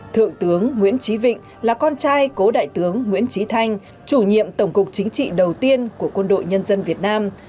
thượng tướng nguyễn trí vịnh là con trai của đại tướng nguyễn trí thanh chủ nhiệm tổng cục chính trị đầu tiên của quân đội nhân dân việt nam